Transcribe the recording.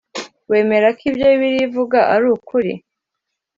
wemera ko ibyo bibiliya ivuga ari ukuri?